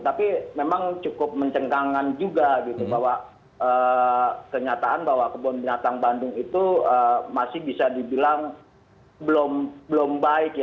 tapi memang cukup mencengkangan juga gitu bahwa kenyataan bahwa kebun binatang bandung itu masih bisa dibilang belum baik